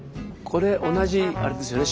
これ同じあれですよね。